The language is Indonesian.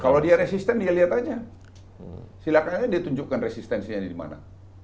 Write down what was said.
kalau dia resisten dia lihat aja silahkan aja dia tunjukkan resistensinya di mana